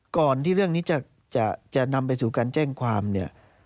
ก่อนที่เรื่องนี้จะนำไปสู่การแจ้งความเนี่ย